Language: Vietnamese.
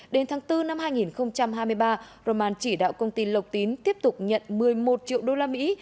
đến tháng bốn năm hai nghìn hai mươi ba roman chỉ đạo công ty lộc tín tiếp tục nhận một mươi một triệu đô la mỹ